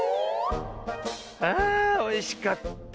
あおいしかった。